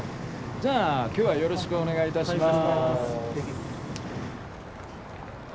じゃあ今日はよろしくお願いいたします。